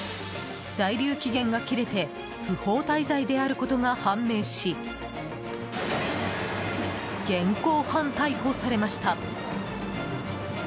在留期限が切れて不法滞在であることが判明し現行犯逮捕されました。